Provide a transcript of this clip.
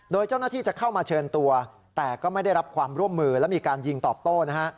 โดยเจ้าหน้าที่จะเข้ามาเชิญตัวแต่ก็ไม่ได้รับความร่วมมือและมีการยิงตอบโต้นะฮะ